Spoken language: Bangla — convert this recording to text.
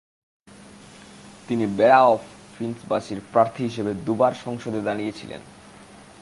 তিনি বেরা অফ ফিনসবারীর প্রার্থী হিসেবে দুবার সংসদে দাঁড়িয়েছিলেন।